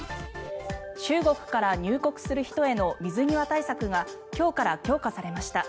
中国から入国する人への水際対策が今日から強化されました。